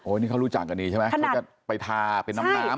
โอ้ยนี่เขารู้จักกันดีใช่ไหมเขาก็ไปทาไปน้ำอะ